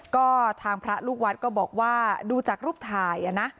ก็ทางพระลูกวัดก็บอกว่าดูจากรูปถ่ายนะ